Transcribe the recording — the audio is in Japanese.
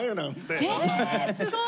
え⁉すごい！